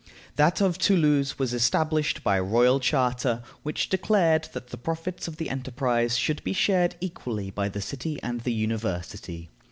That of Toulouse was established by royal charter, which declared that the profits of the enterprise should be shared equally by the city and the University.